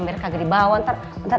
embere kaga dibawa ntar